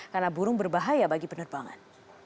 karena burung berbahaya bagi penerbangan